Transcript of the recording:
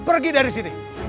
pergi dari sini